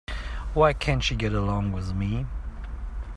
Why can't she get along with me?